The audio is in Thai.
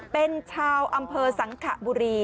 เป็นชาวอำเภอสังขบุรี